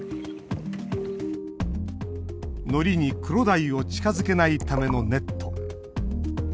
のりにクロダイを近づけないためのネット。